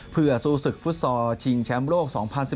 เพื่อสู้ศึกฟุตซอลชิงแชมป์โลก๒๐๑๙